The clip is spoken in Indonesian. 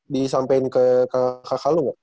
disampein ke kakak lu gak